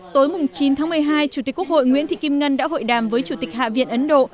tối chín tháng một mươi hai chủ tịch quốc hội nguyễn thị kim ngân đã hội đàm với chủ tịch hạ viện ấn độ